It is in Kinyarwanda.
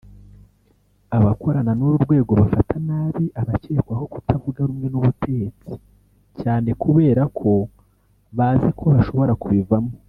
Abakorana n’uru rwego bafata nabi abakekwaho kutavuga rumwe n’ubutetsi cyane kubera ko bazi ko bashobora kubivamo